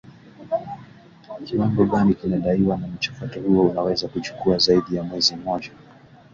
kiwango gani kinadaiwa na mchakato huo unaweza kuchukua zaidi ya mwezi mmoja